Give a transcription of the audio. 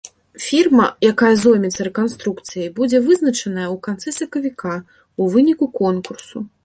Фірма, якая зоймецца рэканструкцыяй, будзе вызначаная ў канцы сакавіка, у выніку конкурсу.